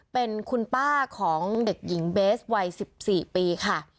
เป็นคุณป้าของเด็กหญิงเบสวัย๑๔ปีค่ะ